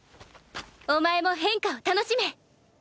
お前も変化を楽しめ！